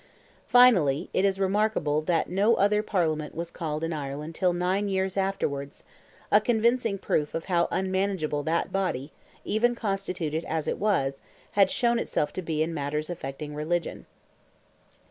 Finally, it is remarkable that no other Parliament was called in Ireland till nine years afterwards—a convincing proof of how unmanageable that body, even constituted as it was, had shown itself to be in matters affecting religion.